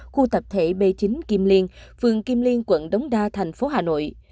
khu tập thể b chín kim liên phường kim liên quận đống đa thành phố hà nội